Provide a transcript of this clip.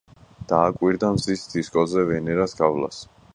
დააკვირდა მზის დისკოზე ვენერას გავლას.